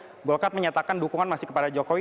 tetapi memang golkar menyatakan dukungan masih kepada jokowi